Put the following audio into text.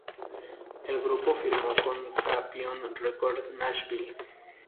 El grupo firmó con Capitol Records Nashville.